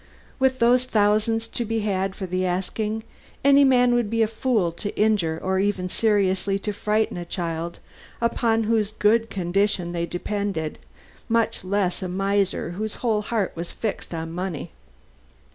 With those thousands to be had for the asking, any man would be a fool to injure or even seriously to frighten a child upon whose good condition they depended; much less a miser whose whole heart was fixed on money.